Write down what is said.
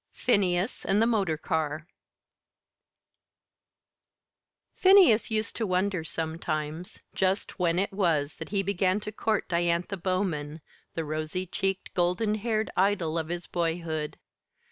Phineas and the Motor Car Phineas used to wonder, sometimes, just when it was that he began to court Diantha Bowman, the rosy cheeked, golden haired idol of his boyhood.